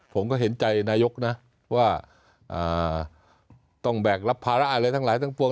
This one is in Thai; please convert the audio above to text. ผมก็เห็นใจนายกนะว่าต้องแบกรับภาระอะไรทั้งหลายทั้งปวง